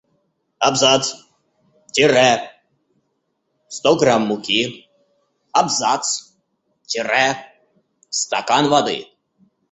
Абзац! Тире! Сто грамм муки. Абзац! Тире! Стакан воды.